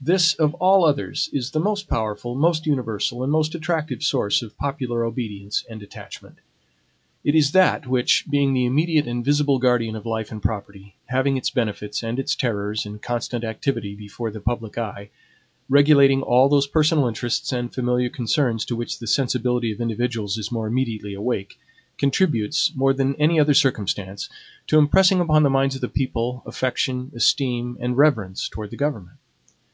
This, of all others, is the most powerful, most universal, and most attractive source of popular obedience and attachment. It is that which, being the immediate and visible guardian of life and property, having its benefits and its terrors in constant activity before the public eye, regulating all those personal interests and familiar concerns to which the sensibility of individuals is more immediately awake, contributes, more than any other circumstance, to impressing upon the minds of the people, affection, esteem, and reverence towards the government.